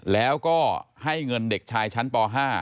แล้วก็ให้เงินเด็กชายชั้นป๕